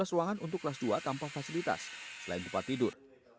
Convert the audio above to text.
tiga belas ruangan untuk kelas dua tanpa fasilitas selain tempat tidur